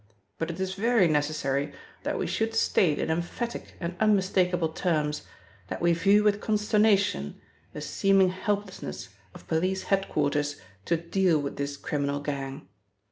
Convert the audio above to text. But it is very necessary that we should state in emphatic and unmistakable terms that we view with consternation the seeming helplessness of police head quarters to deal with this criminal gang.